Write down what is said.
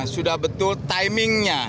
sudah betul timingnya